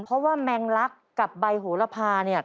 เพราะว่าแมงลักษณ์กับใบโหระพาเนี่ย